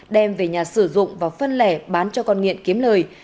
đem về nhà sử dụng và phân lẻ bán cho con nghiện kiếm lời